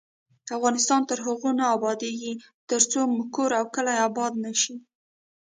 افغانستان تر هغو نه ابادیږي، ترڅو مو کور او کلی اباد نشي.